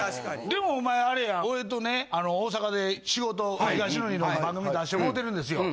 でもお前あれやん俺とね大阪で仕事ひがしのりの番組出してもうてるんですよ。